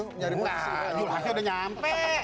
tidak zulkifli hasan sudah sampai